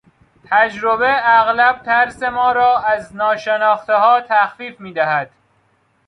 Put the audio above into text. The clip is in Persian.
تجربه اغلب ترس ما را از ناشناختهها تخفیف میدهد.